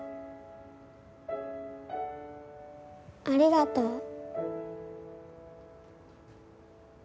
ありがとう。